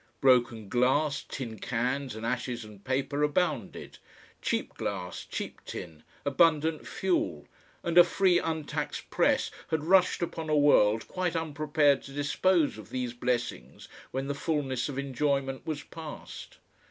Broken glass, tin cans, and ashes and paper abounded. Cheap glass, cheap tin, abundant fuel, and a free untaxed Press had rushed upon a world quite unprepared to dispose of these blessings when the fulness of enjoyment was past.